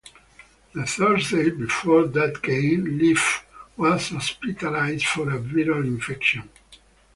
The Thursday before that game, Leaf was hospitalized for a viral infection.